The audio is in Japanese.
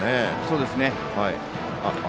そうですね。